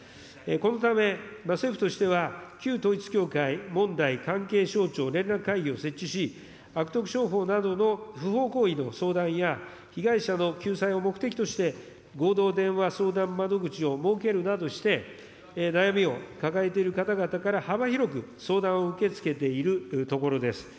このため、政府としては旧統一教会問題関係省庁連絡会議を設置し、悪徳商法などの不法行為の相談や、被害者の救済を目的として、合同電話相談窓口を設けるなどして、悩みを抱えている方々から幅広く相談を受け付けているところです。